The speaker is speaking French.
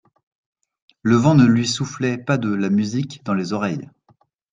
Le vent ne lui soufflait pas de la musique dans les oreilles.